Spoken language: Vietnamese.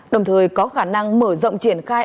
đồng thời có khả năng mở rộng triển khai